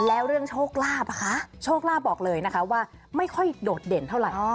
แล้วเรื่องโชคลาภโชคลาภบอกเลยนะคะว่าไม่ค่อยโดดเด่นเท่าไหร่